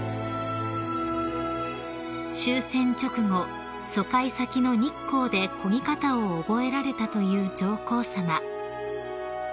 ［終戦直後疎開先の日光でこぎ方を覚えられたという上皇さま］